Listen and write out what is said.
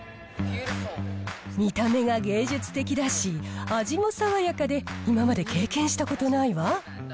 見た目が芸術的だし、味も爽やかで、今まで経験したことないわ。